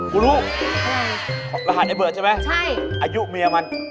กูรู้หารย์ในเบิร์ชใช่ไหมอายุเมียมัน